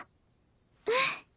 うん。